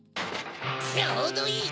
ちょうどいい！